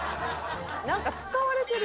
「なんか使われてる」